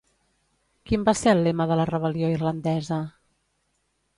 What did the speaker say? Quin va ser el lema de la Rebel·lió irlandesa?